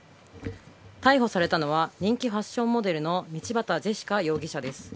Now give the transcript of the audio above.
逮捕されたのは人気ファッションモデルの道端ジェシカ容疑者です。